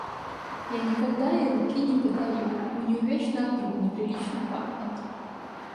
Я никогда ей руки не подаю, у нее вечно от рук неприлично пахнет.